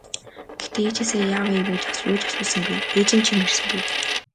Гэхдээ ээжээсээ яав ийв гэж юу ч асуусангүй, ээж нь ч юм ярьсангүй.